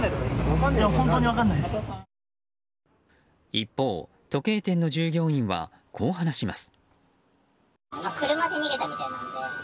一方、時計店の従業員はこう話します。